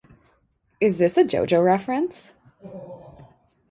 Is this a JoJo reference?